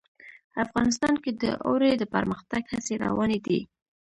افغانستان کې د اوړي د پرمختګ هڅې روانې دي.